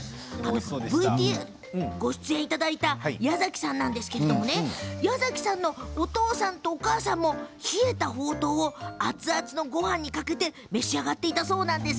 ＶＴＲにご出演いただいた、矢崎さんなんですが矢崎さんのお父さんとお母さんも冷えたほうとうを熱々のごはんにかけて召し上がっていたそうなんです。